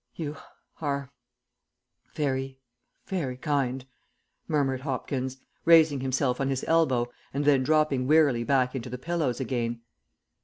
"You are very very kind," murmured Hopkins, raising himself on his elbow and then dropping wearily back into the pillows again.